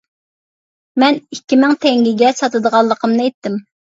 مەن ئىككى مىڭ تەڭگىگە ساتىدىغانلىقىمنى ئېيتتىم.